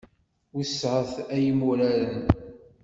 Wesseɛet ay imuraren.